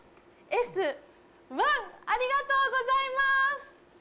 「Ｓ☆１」ありがとうございます！